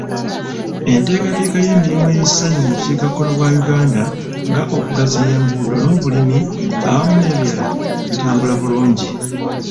Enteekateeka y'emirimu ey'essanyu mu bukiikakkono bwa Uganda nga okugaziya enguudo n'obulimi awamu n'ebirala, bitambula bulungi.